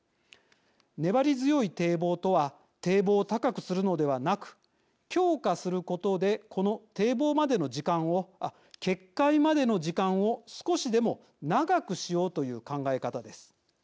粘り強い堤防とは堤防を高くするのではなく強化することでこの決壊までの時間を少しでも長くしようという考え方です。